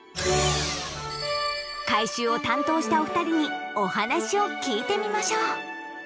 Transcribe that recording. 改修を担当したお二人にお話を聞いてみましょう。